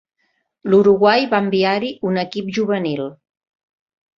L'Uruguai va enviar-hi un equip juvenil.